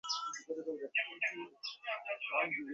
কোন কোন খাবার খাবেন তা মনে-মনে গুছিয়ে নিলেন।